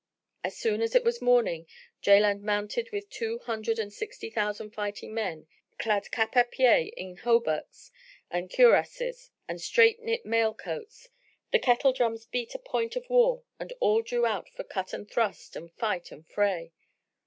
As soon as it was morning Jaland mounted with two hundred and sixty thousand fighting men, clad cap à pie in hauberks and cuirasses and strait knit mail coats, the kettle drums beat a point of war and all drew out for cut and thrust and fight and fray.